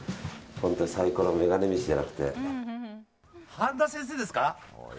半田先生ですか。